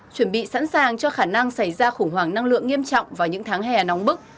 chuẩn bị sẵn sàng cho khả năng xảy ra khủng hoảng năng lượng nghiêm trọng vào những tháng hè nóng bức